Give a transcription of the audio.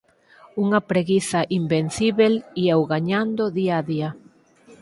unha preguiza invencíbel, íao gañando día a día